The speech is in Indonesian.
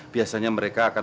biasanya mereka akan